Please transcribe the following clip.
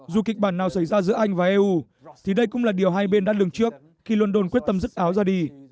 dù kịch bản nào xảy ra giữa anh và eu thì đây cũng là điều hai bên đắt lường trước khi london quyết tâm rứt áo ra đi